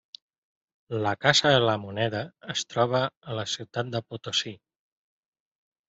La Casa de la Moneda es troba a la ciutat de Potosí.